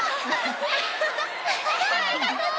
ありがとう！